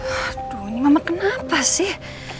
aduh ini mama kenapa sih